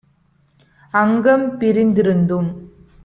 அங்கம் பிரிந்திருந்தும்